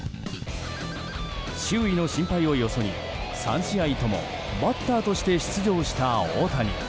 周囲の心配をよそに３試合ともバッターとして出場した大谷。